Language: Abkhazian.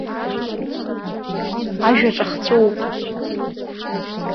Ажәа ҿахҵәоуп.